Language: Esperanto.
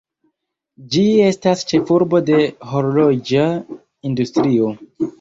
Ĝi estas ĉefurbo de horloĝa industrio.